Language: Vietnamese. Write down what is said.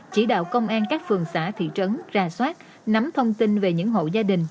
chỉ đạo công an các phường xã thị trấn ra soát nắm thông tin về những hộ gia đình